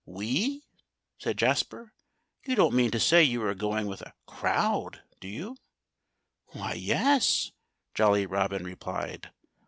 "We?" said Jasper. "You don't mean to say you are going with a crowd, do you?" "Why, yes!" Jolly Robin replied.